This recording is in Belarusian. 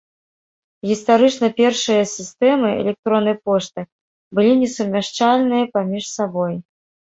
Гістарычна першыя сістэмы электроннай пошты былі несумяшчальныя паміж сабой.